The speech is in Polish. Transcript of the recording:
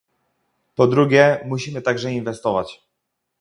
Po drugie, musimy także inwestować